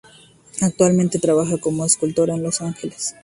Actualmente, trabaja como escultora en Los Ángeles.